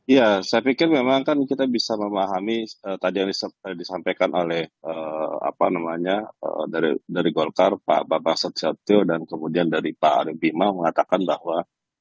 ya saya pikir memang kan kita bisa memahami tadi yang disampaikan oleh apa namanya dari golkar pak bapak setia dan kemudian dari pak arief bima mengatakan bahwa